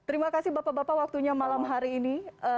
terima kasih bapak bapak waktunya malam hari ini